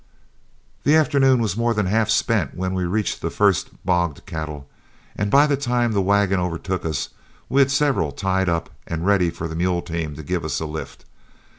The afternoon was more than half spent when we reached the first bogged cattle, and by the time the wagon overtook us we had several tied up and ready for the mule team to give us a lift.